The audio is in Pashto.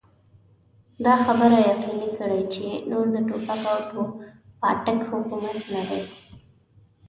دا خبره يقيني کړي چې نور د ټوپک او پاټک حکومت نه دی.